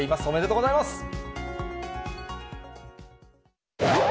おめでとうございます。